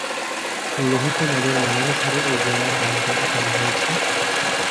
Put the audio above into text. লোহিত নদের নামানুসারে এই জেলার নামকরণ করা হয়েছে।